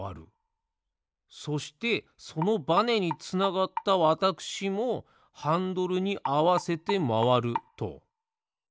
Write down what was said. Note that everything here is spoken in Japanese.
そしてそのバネにつながったわたくしもハンドルにあわせてまわると。